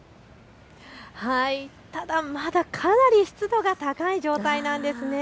ただ、まだかなり湿度が高い状態なんです。